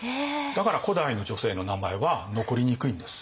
だから古代の女性の名前は残りにくいんです。